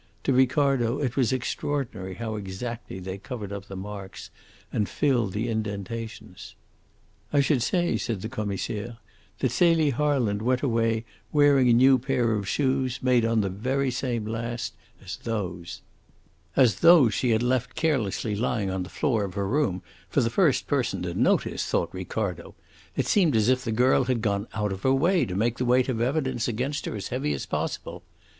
To Ricardo it was extraordinary how exactly they covered up the marks and filled the indentations. "I should say," said the Commissaire, "that Celie Harland went away wearing a new pair of shoes made on the very same last as those." As those she had left carelessly lying on the floor of her room for the first person to notice, thought Ricardo! It seemed as if the girl had gone out of her way to make the weight of evidence against her as heavy as possible.